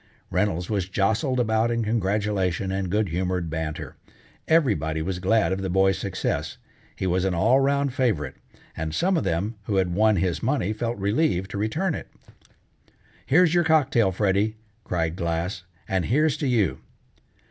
Reynolds was jostled about in congratulation and good humored banter. Everybody was glad of the boy's success, he was an all round favorite, and some of the men who had won his money felt relieved to return it. "Here's your cocktail, Freddy," cried Glass, "and here's to you!"